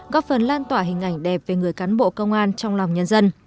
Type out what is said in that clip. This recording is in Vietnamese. góp phần lan tỏa hình ảnh đẹp về người cán bộ công an trong lòng nhân dân